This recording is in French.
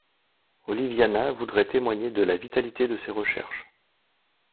Oliviana voudrait témoigner de la vitalité de ces recherches.